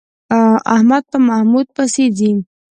احمد په محمود پسې ځي.